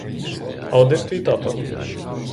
Але де ж твій тато?